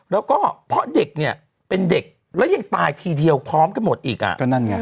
แล้วก็เพราะเด็กเนี่ยเป็นเด็กแล้วยังตายทีเดียวพร้อมกันหมดอีกอ่ะก็นั่นไง